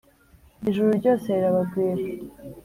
ijuru ryose rirabagwira